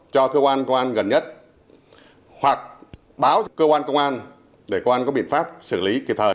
cho cơ quan công an gần nhất hoặc báo cho cơ quan công an để cơ quan có biện pháp xử lý kịp thời